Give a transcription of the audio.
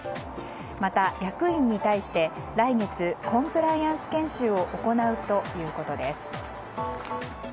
また役員に対して来月コンプライアンス研修を行うということです。